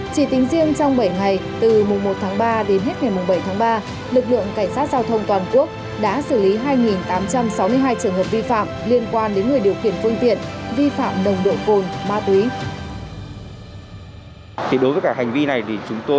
chỉ tính riêng trong bảy ngày từ mùng một tháng ba đến hết ngày bảy tháng ba lực lượng cảnh sát giao thông toàn quốc đã xử lý hai tám trăm sáu mươi hai trường hợp vi phạm liên quan đến người điều